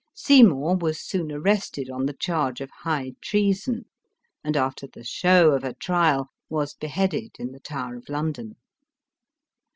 Sey mour was soon arrested on the charge of high treason, and after the show of a trial, was beheaded in the Tower of London.